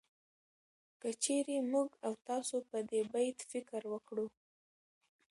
که چېرې موږ او تاسو په دې بيت فکر وکړو